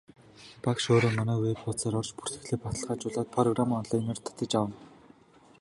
Багш өөрөө манай веб хуудсаар орж бүртгэлээ баталгаажуулаад программаа онлайнаар татаж авна.